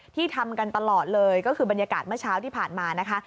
ทำกันตลอดเลยก็คือบรรยากาศเมื่อเช้าที่ผ่านมานะคะ